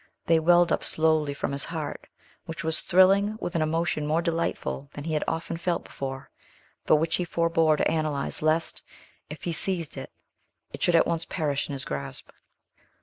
They welled up slowly from his heart, which was thrilling with an emotion more delightful than he had often felt before, but which he forbore to analyze, lest, if he seized it, it should at once perish in his grasp.